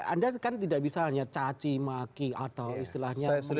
anda kan tidak bisa hanya caci maki atau istilahnya